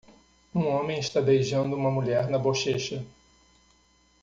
Um homem está beijando uma mulher na bochecha.